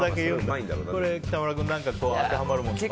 これ、北村君当てはまるものある？